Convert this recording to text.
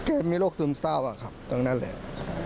มีโรคซึมเศร้าอะครับตรงนั้นแหละ